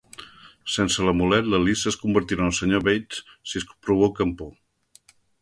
Sense l'amulet, l'Alyssa es convertirà en el senyor Bates si es provoca amb por.